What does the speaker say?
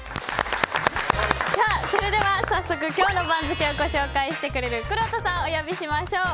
それでは、早速今日の番付をご紹介してくれるくろうとさんお呼びしましょう。